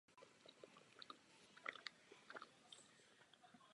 Tento dům je považován za jednu z nejvýznamnějších realizací tohoto architekta.